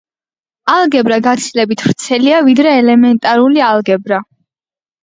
ალგებრა გაცილებით ვრცელია ვიდრე ელემენტალური ალგებრა.